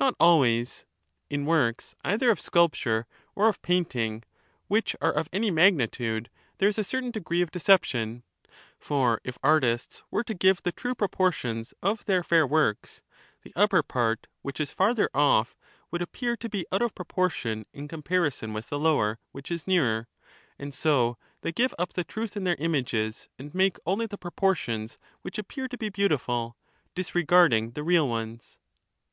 Not always; in works either of sculpture or of But in painting, which are of any magnitude, there is a certain ^^^f 236 degree of deception ; for if artists were to give the true painting proportions of their fair works, the upper part, which is ^^'^ farther off, would appear to be out of proportion in com certain parison with the lower, which is nearer: and so they amount of ^^'^ deception give up the truth in their images and make only the pro is neces portions which appear to be beautiful, disregarding the real ^^^» ones.